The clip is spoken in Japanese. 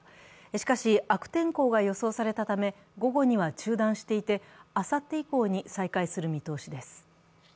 しかし悪天候が予想されたため午後には中断していてあさって以降に再開する見通しです。